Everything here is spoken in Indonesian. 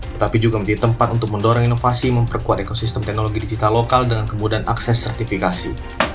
tetapi juga menjadi tempat untuk mendorong inovasi memperkuat ekosistem teknologi digital lokal dengan kemudahan akses sertifikasi